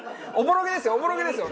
おぼろげですよ！